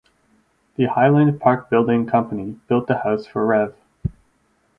The Highland Park Building Company built the house for Rev.